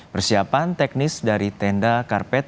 persiapan teknis dari tenda karpet